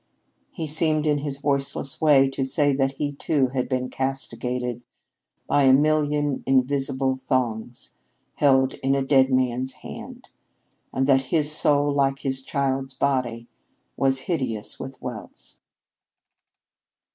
He seemed in his voiceless way to say that he, too, had been castigated by a million invisible thongs held in dead men's hands, and that his soul, like his child's body, was hideous with welts.